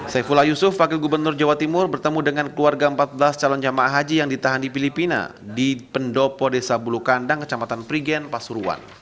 saifullah yusuf wakil gubernur jawa timur bertemu dengan keluarga empat belas calon jamaah haji yang ditahan di filipina di pendopo desa bulu kandang kecamatan prigen pasuruan